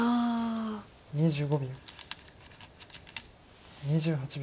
２５秒。